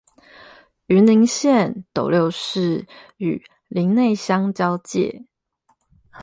雲林縣斗六市與林內鄉交界